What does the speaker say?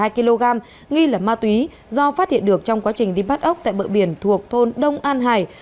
hai kg nghi lẩm ma túy do phát hiện được trong quá trình đi bắt ốc tại bờ biển thuộc thôn đông an hải